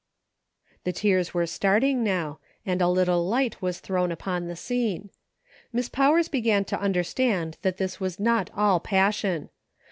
The tears were starting now ;*and a little light ' was thrown upon the scene. Miss Powers began to understand that this was not all passion.